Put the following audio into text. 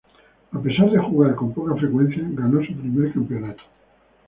A pesar de jugar con poca frecuencia, ganó su primer campeonato.